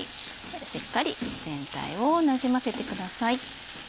しっかり全体をなじませてください。